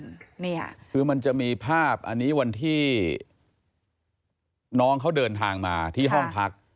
เนี่ยคือมันจะมีภาพอันนี้วันที่น้องเขาเดินทางมาที่ห้องพัก